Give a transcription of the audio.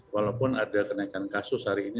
walaupun ada kenaikan kasus hari ini